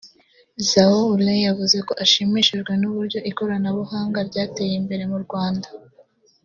Zhao Houlin yavuze ko ashimishijwe n’ uburyo ikoranabuhanga ryateye imbere mu Rwanda